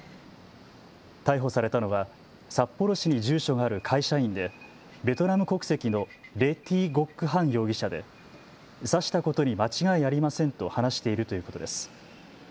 逮捕されたのは札幌市に住所がある会社員でベトナム国籍のレ・ティ・ゴック・ハン容疑者で刺したことに間違いありませんと話しているということです。